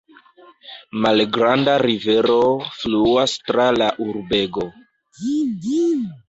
Malgranda rivero fluas tra la urbego.